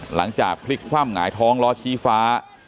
หลังจากพลิกคว่ำหงายท้องล้อชี้ฟ้า